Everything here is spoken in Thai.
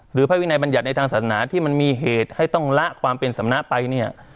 พระวินัยบัญญัติในทางศาสนาที่มันมีเหตุให้ต้องละความเป็นสำนักไปเนี่ย